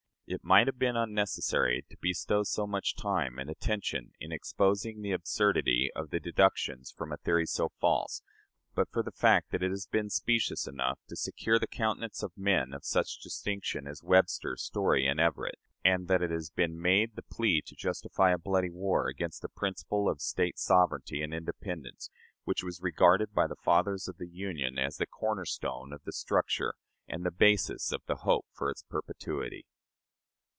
It might have been unnecessary to bestow so much time and attention in exposing the absurdity of the deductions from a theory so false, but for the fact that it has been specious enough to secure the countenance of men of such distinction as Webster, Story, and Everett; and that it has been made the plea to justify a bloody war against that principle of State sovereignty and independence, which was regarded by the fathers of the Union as the corner stone of the structure and the basis of the hope for its perpetuity.